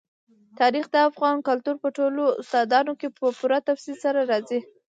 تاریخ د افغان کلتور په ټولو داستانونو کې په پوره تفصیل سره راځي.